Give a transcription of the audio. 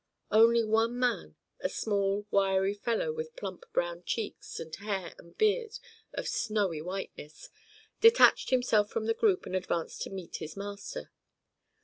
Only one man, a small, wiry fellow with plump brown cheeks and hair and beard of snowy whiteness, detached himself from the group and advanced to meet his master.